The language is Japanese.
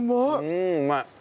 うんうまい！